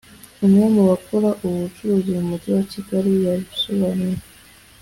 umwe mu bakora ubu bucuruzi mu Mujyi wa Kigali yabisobanuye